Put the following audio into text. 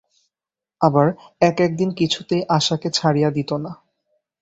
আবার এক-এক দিন কিছুতেই আশাকে ছাড়িয়া দিত না।